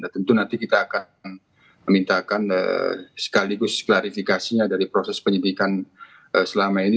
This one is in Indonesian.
tentu nanti kita akan memintakan sekaligus klarifikasinya dari proses penyidikan selama ini